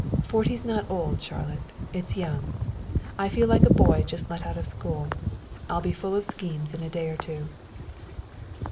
Forty's not old, Charlotte, it's young. I feel like a boy just let out of school. I'll be full of schemes in a day or two."